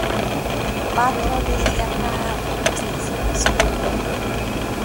Patro de lia praavo estis episkopo.